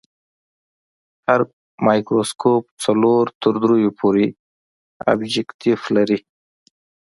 هر مایکروسکوپ څلور تر دریو پورې ابجکتیف لري.